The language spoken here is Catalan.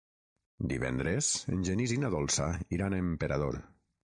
Divendres en Genís i na Dolça iran a Emperador.